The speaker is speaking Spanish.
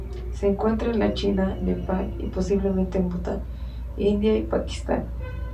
Se encuentra en la China, Nepal y, posiblemente en Bután, India y Pakistán.